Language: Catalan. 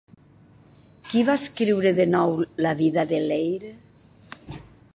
Qui va escriure de nou la vida de Leir?